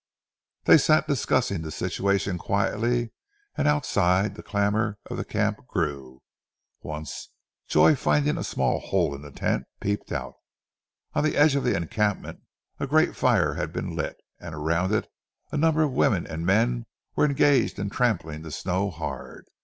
They sat discussing the situation quietly, and outside, the clamour of the camp grew. Once Joy, finding a small hole in the tent, peeped out. On the edge of the encampment a great fire had been lit, and around it a number of women and men were engaged in trampling the snow hard.